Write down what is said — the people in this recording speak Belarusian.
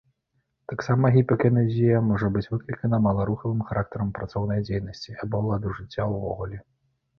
Таксама гіпакінезія можа быць выклікана маларухавым характарам працоўнай дзейнасці або ладу жыцця ўвогуле.